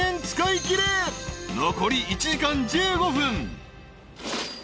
［残り１時間１５分］